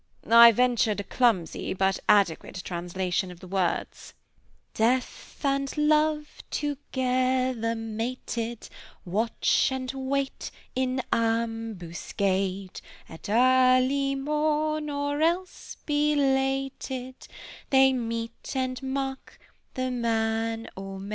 I venture a clumsy, but adequate translation of the words: "Death and Love, together mated, Watch and wait in ambuscade; At early morn, or else belated, They meet and mark the man or maid.